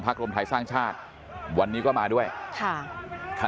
รวมไทยสร้างชาติวันนี้ก็มาด้วยค่ะ